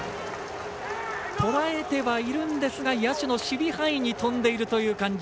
とらえてはいるんですが野手の守備範囲に飛んでいるという感じ。